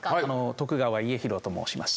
徳川家広と申します。